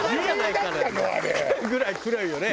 ぐらい黒いよね。